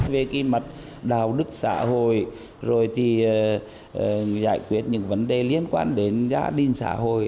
về cái mặt đạo đức xã hội rồi thì giải quyết những vấn đề liên quan đến gia đình xã hội